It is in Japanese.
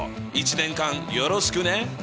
一年間よろしくね。